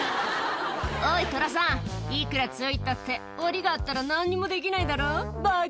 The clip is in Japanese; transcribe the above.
おい、トラさん、いくら強いたって、おりがあったらなんにもできないだろ。